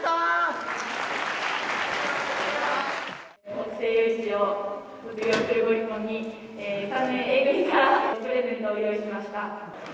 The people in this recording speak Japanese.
北星余市を卒業するゴリポンに３年Ａ組からプレゼントを用意しました。